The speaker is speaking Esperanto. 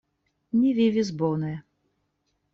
Ni vivis bone.